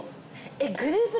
えっグループ